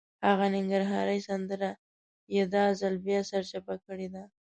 هغه ننګرهارۍ سندره یې دا ځل بیا سرچپه کړې ده.